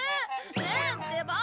ねえってば。